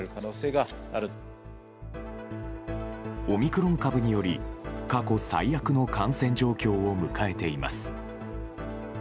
オミクロン株により過去最悪の感染状況を迎えています。